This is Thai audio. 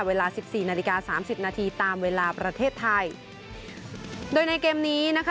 เวลาสิบสี่นาฬิกาสามสิบนาทีตามเวลาประเทศไทยโดยในเกมนี้นะคะ